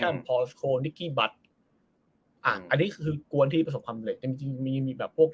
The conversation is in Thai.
อันนี้คือกวนที่ประสบความเล็กจริงจริงมีมีแบบพวก